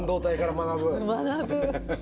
学ぶ。